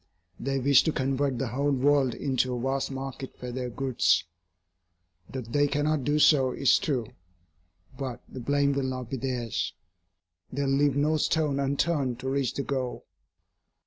They wish to convert the whole world into a vast market for their goods. That they cannot do so is true, but the blame will not be theirs. They will leave no stone unturned to reach the goal.